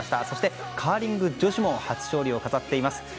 そしてカーリング女子も初勝利を飾っています。